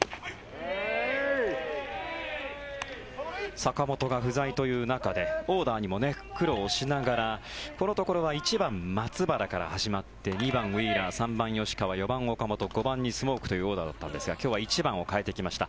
坂本が不在という中でオーダーにも苦労しながらこのところは１番、松原から始まって２番、ウィーラー３番、吉川４番、岡本５番にスモークというオーダーだったんですが今日は１番を変えてきました。